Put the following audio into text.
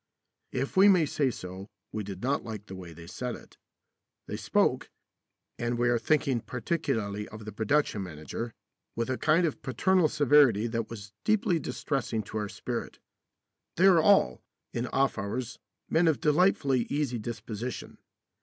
If we may say so, we did not like the way they said it. They spoke and we are thinking particularly of the production manager with a kind of paternal severity that was deeply distressing to our spirit. They are all, in off hours, men of delightfully easy disposition.